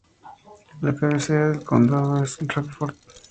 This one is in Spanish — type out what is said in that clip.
La cabecera del condado es Rockford.